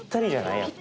やっぱり。